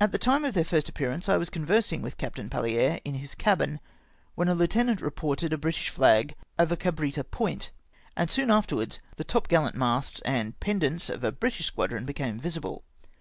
At the time of their first appearance I was conversing with Captain Palliere in his cabin, when a lieutenant re ported a British flag over Cabritta point, and soon after wards the top gallant masts and pendants of a British squadi'on became visible.